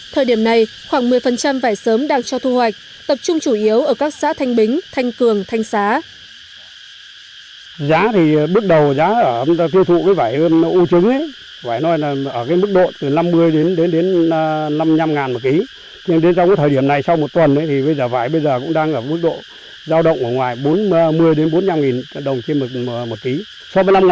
thời điểm này khoảng một mươi vải sớm đang cho thu hoạch tập trung chủ yếu ở các xã thanh bính thanh cường thanh xá